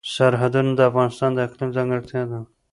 سرحدونه د افغانستان د اقلیم ځانګړتیا ده.